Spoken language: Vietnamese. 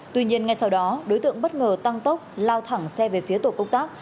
tuy nhiên ngay sau đó đối tượng bất ngờ tăng tốc lao thẳng xe về phía tổ công tác